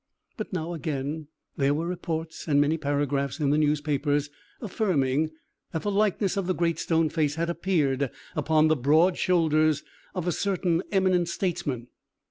But now, again, there were reports and many paragraphs in the newspapers, affirming that the likeness of the Great Stone Face had appeared upon the broad shoulders of a certain eminent statesman.